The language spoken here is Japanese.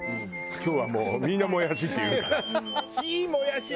今日はもうみんな「もやし」って言うから。